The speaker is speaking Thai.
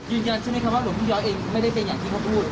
ยืนยันชื่อในคำว่าหลวงพี่ย้อนเองไม่ได้เป็นอย่างที่เขาพูด